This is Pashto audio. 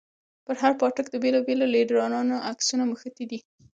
پر هر پاټک د بېلو بېلو ليډرانو عکسونه مښتي دي.